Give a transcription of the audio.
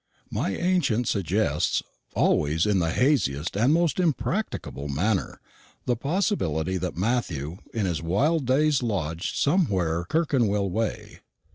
My ancient suggests always in the haziest and most impracticable manner the possibility that Matthew in his wild days lodged somewhere Clerkenwell way.